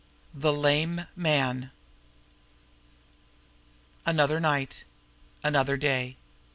THE LAME MAN Another night another day!